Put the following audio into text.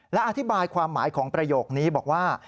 และอธิบายความหมายของประโยคนี้บอกว่า